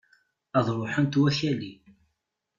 Ad ruḥent wakali!